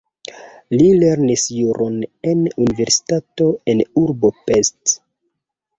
Li lernis juron en universitato en urbo Pest.